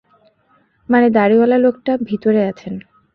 মানে দাড়িওয়ালা লোকটা ভিতরে আছেন।